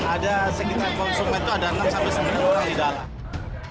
ada sekitar konsumen itu ada enam sampai sembilan orang di dalam